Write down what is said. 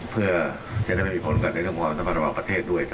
เพื่อจะทำให้มีผลกันในเรื่องความสะพานในประเทศด้วย